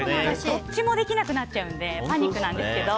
どっちもできなくなっちゃうのでパニックなんですけど。